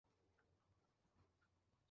সুশীলাকে অপহরণ করে এনেছি।